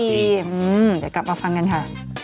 เดี๋ยวกลับมาฟังกันค่ะ